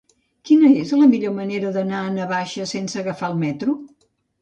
Quina és la millor manera d'anar a Navaixes sense agafar el metro?